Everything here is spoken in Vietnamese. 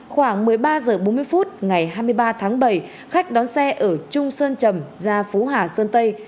khoảng một mươi ba h bốn mươi phút ngày hai mươi ba tháng bảy khách đón xe ở trung sơn trầm ra phú hà sơn tây